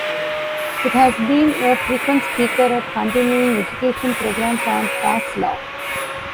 He has been a frequent speaker at continuing education programs on tax law.